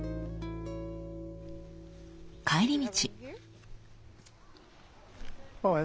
帰り道。